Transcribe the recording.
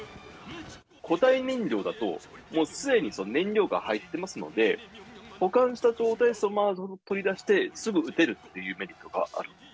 固体燃料だと、もうすでに燃料が入ってますので、補完した状態そのまま取り出して、すぐ撃てるっていうメリットがあるんです。